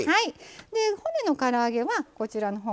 骨のから揚げはこちらのほう。